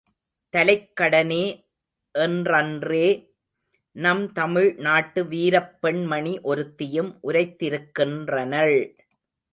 தலைக் கடனே என்றன்றே நம் தமிழ் நாட்டு வீரப் பெண் மணி ஒருத்தியும் உரைத்திருக்கின்றனள்!